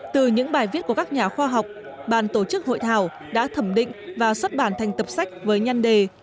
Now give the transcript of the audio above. từ những bài viết của các nhà khoa học bàn tổ chức hội thảo đã thẩm định và xuất bản thành tập sách với nhân đề